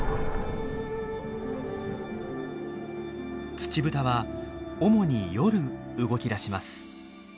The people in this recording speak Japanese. ツチブタは主に夜動きだします。